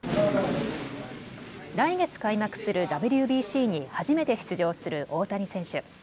来月開幕するＷＢＣに初めて出場する大谷選手。